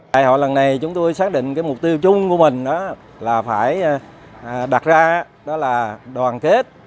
đại hội lần này chúng tôi xác định mục tiêu chung của mình là phải đặt ra đó là đoàn kết